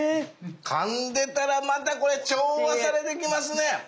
かんでたらまたこれ調和されてきますね。